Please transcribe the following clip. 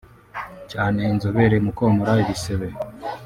cyane inzobere mu komora ibisebe